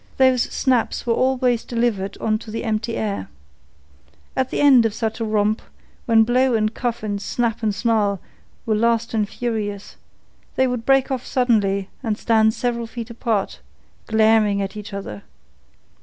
Those snaps were always delivered on the empty air. At the end of such a romp, when blow and cuff and snap and snarl were fast and furious, they would break off suddenly and stand several feet apart, glaring at each other.